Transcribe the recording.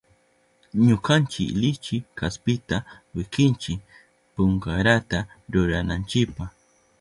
Ñukanchi lichi kaspita wikinchi punkarata rurananchipa.